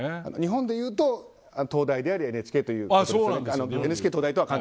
日本でいうと東大でありＮＨＫという。